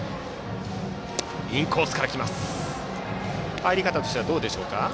入り方としてはどうでしょうか。